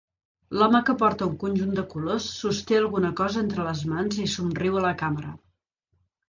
L'home que porta un conjunt de colors sosté alguna cosa entre les mans i somriu a la càmera.